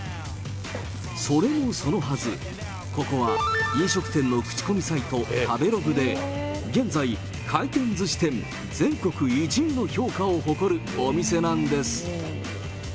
それもそのはず、ここは飲食店の口コミサイト、食べログで、現在回転ずし店全国１位の評価を誇るお店なんです。